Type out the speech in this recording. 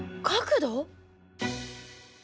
角度？